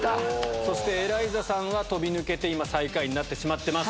そしてエライザさんは飛び抜けて最下位になってます。